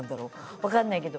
分かんないけど。